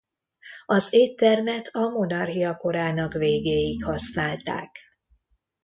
Az éttermet a Monarchia korának végéig használták.